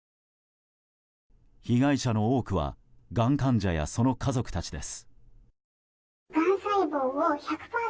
被害者の多くはがん患者やその家族たちです。